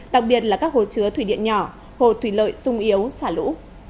đặc biệt là các hồ chứa thủy điện nhỏ hồ thủy lợi sung yếu xả lũ